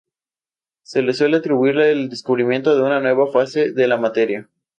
Se le suele atribuir el descubrimiento de una nueva fase de la materia.